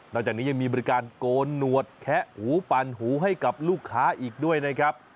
จากนี้ยังมีบริการโกนหนวดแคะหูปั่นหูให้กับลูกค้าอีกด้วยนะครับ